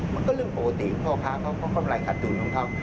มันก็เริ่มปกติพ่อค้าเขาก็กำไรขาดตูนของเขา